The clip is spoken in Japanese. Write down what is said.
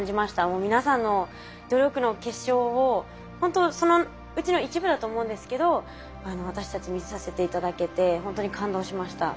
もう皆さんの努力の結晶をほんとそのうちの一部だと思うんですけど私たち見させて頂けてほんとに感動しました。